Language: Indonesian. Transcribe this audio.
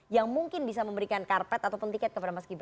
yang mungkin bisa memberikan karpet ataupun tiket kepada mas gibran